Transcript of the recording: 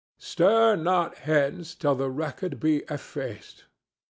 Stir not hence till the record be effaced.